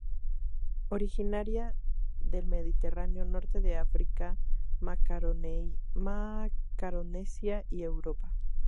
Originaria del Mediterráneo, norte de África, Macaronesia y Europa.